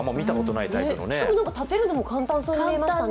しかも立てるのも簡単そうでしたね。